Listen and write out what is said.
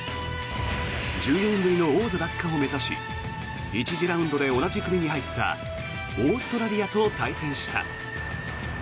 １４年ぶりの王座奪還を目指し１次ラウンドで同じ組に入ったオーストラリアと対戦した。